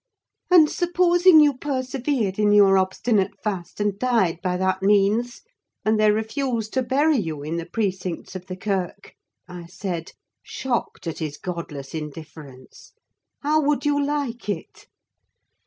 "And supposing you persevered in your obstinate fast, and died by that means, and they refused to bury you in the precincts of the kirk?" I said, shocked at his godless indifference. "How would you like it?"